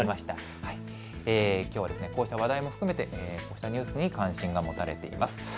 きょうはこうした話題も含めてこういったニュースに関心が持たれています。